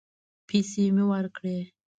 پيسې مې ورکړې.